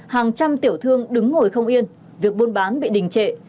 hàng trăm tiểu thương đứng ngồi không yên việc buôn bán bị đình trệ